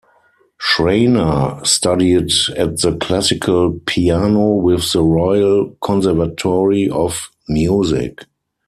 Schraner studied at the classical piano with the Royal Conservatory of Music.